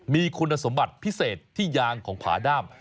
มีคุณสมบัติพิเศษที่ยางของผาด้าม